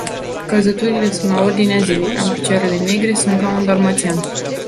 Căzăturile sunt la ordinea zilei, am picioarele negre, sunt ca un dalmațian.